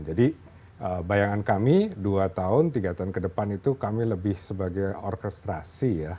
jadi bayangan kami dua tahun tiga tahun kedepan itu kami lebih sebagai orkestrasi ya